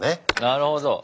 なるほど。